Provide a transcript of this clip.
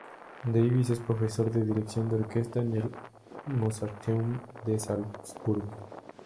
Davies es profesor de dirección de orquesta en el Mozarteum de Salzburgo.